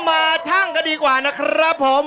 มาชั่งกันดีกว่านะครับผม